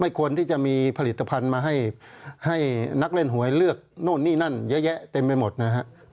ควรที่จะมีผลิตภัณฑ์มาให้นักเล่นหวยเลือกนู่นนี่นั่นเยอะแยะเต็มไปหมดนะฮะ